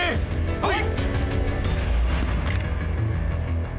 はい！